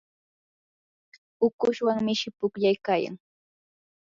ukushwan mishi pukllaykayan.